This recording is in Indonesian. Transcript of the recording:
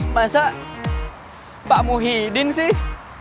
masa pak muhyiddin sih